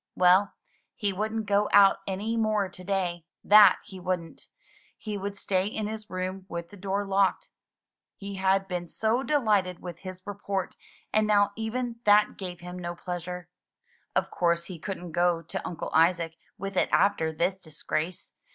Well, he wouldn't go out any more to day, that he wouldn't; he would stay in his room with the door locked. He had been so delighted with his report, and now even that gave him no pleasure. Of course he couldn't go to Uncle Isaac with it after this disgrace.